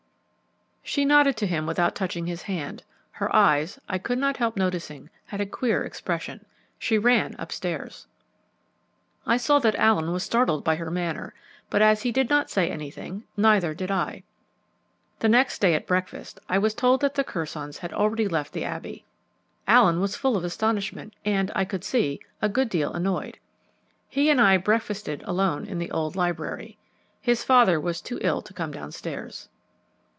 She nodded to him without touching his hand; her eyes, I could not help noticing, had a queer expression. She ran upstairs. I saw that Allen was startled by her manner; but as he did not say anything, neither did I. The next day at breakfast I was told that the Curzons had already left the Abbey. Allen was full of astonishment and, I could see, a good deal annoyed. He and I breakfasted alone in the old library. His father was too ill to come downstairs.